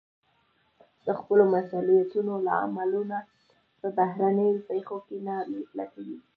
د خپلو مسوليتونو لاملونه په بهرنيو پېښو کې نه لټوي.